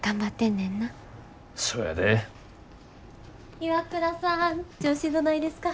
岩倉さん調子どないですか？